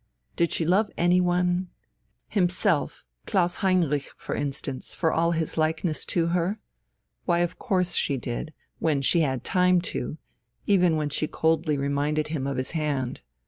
Did she love anyone himself, Klaus Heinrich, for instance, for all his likeness to her? Why, of course she did, when she had time to, even when she coldly reminded him of his hand.